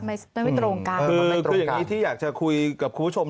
ไม่ตรงกลางคืออย่างนี้ที่อยากจะคุยกับคุณผู้ชม